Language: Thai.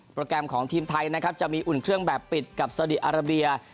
แกรมของทีมไทยนะครับจะมีอุ่นเครื่องแบบปิดกับซาดีอาราเบีย